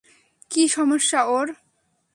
কি সমস্যা ওর?